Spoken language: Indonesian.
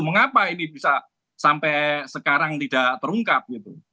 mengapa ini bisa sampai sekarang tidak terungkap gitu